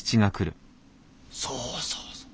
そうそうそう。